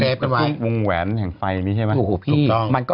มันเป็นวงแหวนแห่งไฟนี่ใช่ไหม